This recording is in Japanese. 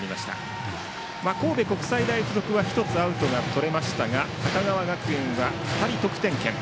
神戸国際大付属は１つアウトがとれましたが高川学園が２人、得点圏。